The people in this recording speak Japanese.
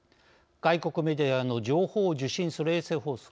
外国メディアの情報を受信する衛星放送。